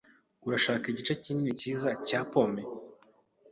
Urashaka igice kinini cyiza cya pome?